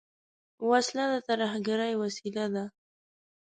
وسله د ترهګرۍ وسیله ده